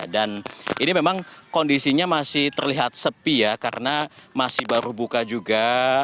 dan ini memang kondisinya masih terlihat sepi ya karena masih baru buka juga